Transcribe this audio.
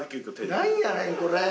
なんやねんこれ！